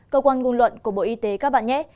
cơ quan ngôn luận của bộ y tế các bạn nhé